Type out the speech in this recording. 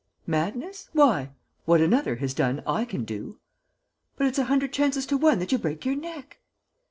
"Madness? Why? What another has done I can do." "But it's a hundred chances to one that you break your neck."